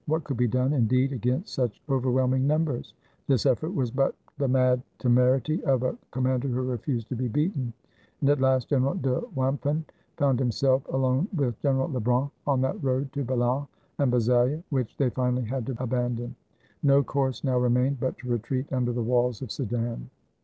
What could be done, indeed, against such over whelming numbers? This effort was but the mad temer ity of a commander who refused to be beaten. And at last General de Wimpffen found himself alone with Gen eral Lebrun, on that road to Balan and Bazeilles, which they finally had to abandon. No course now remained but to retreat under the walls of Sedan.